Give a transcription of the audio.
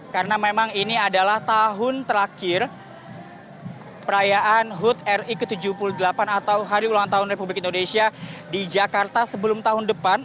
karena memang ini adalah tahun terakhir perayaan hud ri ke tujuh puluh delapan atau hari ulang tahun republik indonesia di jakarta sebelum tahun depan